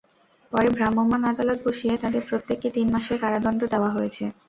পরে ভ্রাম্যমাণ আদালত বসিয়ে তাঁদের প্রত্যেককে তিন মাসের কারাদণ্ড দেওয়া হয়েছে।